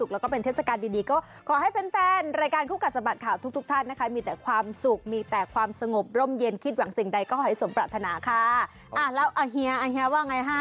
เลิกกินยาคุมได้แล้ว